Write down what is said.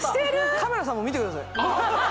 カメラさんも見てください